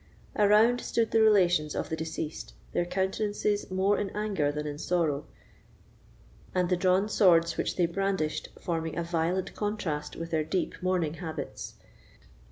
Around stood the relations of the deceased, their countenances more in anger than in sorrow, and the drawn swords which they brandished forming a violent contrast with their deep mourning habits.